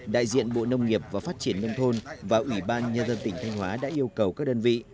đại diện bộ nông nghiệp và phát triển nông thôn và ủy ban nhân dân tỉnh thanh hóa đã yêu cầu các đơn vị